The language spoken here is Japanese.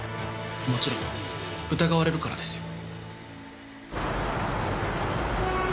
もちろん疑われるからですよ。